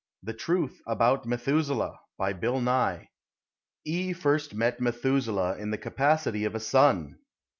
The Truth about Methuselah We first met Methuselah in the capacity of a son.